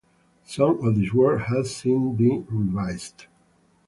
Some of this work has since been revised.